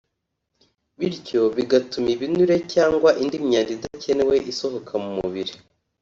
bityo bigatuma ibinure cyangwa indi myanda idakenewe isohoka mu mubiri